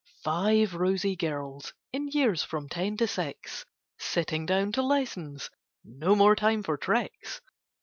Five rosy girls, in years from Ten to Six: Sitting down to lessons—no more time for tricks.